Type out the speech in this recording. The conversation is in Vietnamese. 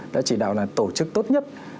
đã chỉ đạo là tổ chức tốt nhất